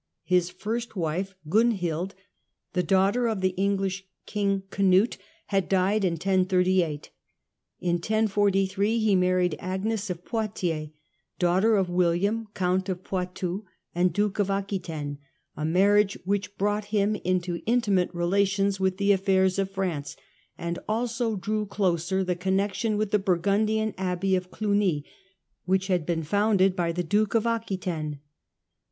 His first wife, Gunhild, the daughter of the English king Cnut, had died in 1038. In 1043 he married Agnes of Poitiers, daughter of William, Count of Poitou and Duke of Aquitaine, a marriage which brought him into intimate relations with the affairs of France, and also drew closer the connexion with the Burgundian abbey of Cluny, which had been founded by a Duke of Aquitaine.